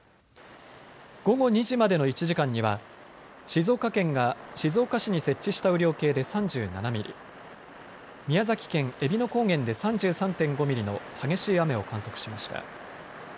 午後２時までの１時間には静岡県が静岡市に設置した雨量計で３７ミリ、宮崎県えびの高原で３３．５ミリの激しい雨を観測しました。